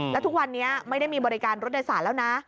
แล้วทุกวันนี้ไม่ได้มีบริการรถโดยสารแล้วนะ